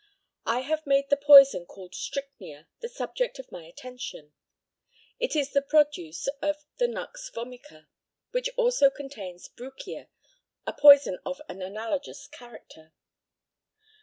I have made the poison called strychnia the subject of my attention. It is the produce of the nux vomica, which also contains brucia, a poison of an analogous character.